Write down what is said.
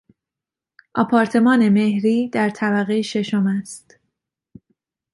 آپارتمان مهری در طبقهی ششم است.